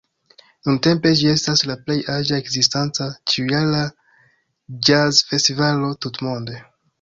Nuntempe ĝi estas la plej aĝa ekzistanta, ĉiujara ĵazfestivalo tutmonde.